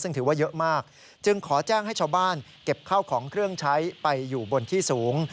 ซึ่งถือว่าเยอะมากจึงขอแจ้งให้ชาวบ้านเก็บข้าวของเครื่องใช้ไปอยู่บนที่สูง